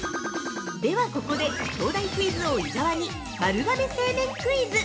◆では、ここで東大クイズ王・伊沢に丸亀製麺クイズ。